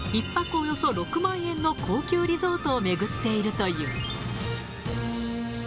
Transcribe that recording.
およそ６万円の高級リゾートを巡っているという。